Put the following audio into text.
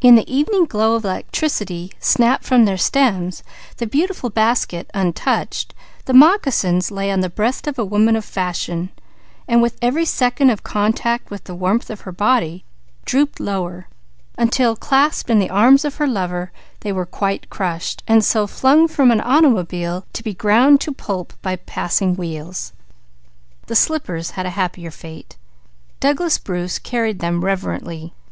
In the evening glow of electricity, snapped from their stems, the beautiful basket untouched, the moccasins lay on the breast of a woman of fashion, while with every second of contact with the warmth of her body, they drooped lower, until clasped in the arms of her lover, they were quite crushed, then flung from an automobile to be ground to pulp by passing wheels. The slippers had a happier fate. Douglas Bruce carried them reverently.